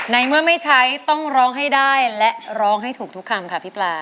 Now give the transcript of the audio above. ในเมื่อไม่ใช้ต้องร้องให้ได้และร้องให้ถูกทุกคำค่ะพี่ปลา